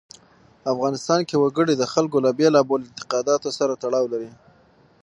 افغانستان کې وګړي د خلکو له بېلابېلو اعتقاداتو سره تړاو لري.